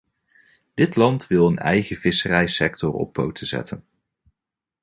Dit land wil een eigen visserijsector op poten zetten.